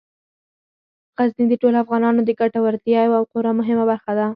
غزني د ټولو افغانانو د ګټورتیا یوه خورا مهمه برخه ده.